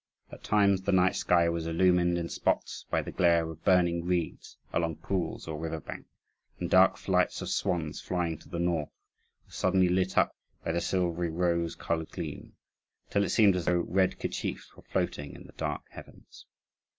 At times the night sky was illumined in spots by the glare of burning reeds along pools or river bank; and dark flights of swans flying to the north were suddenly lit up by the silvery, rose coloured gleam, till it seemed as though red kerchiefs were floating in the dark heavens.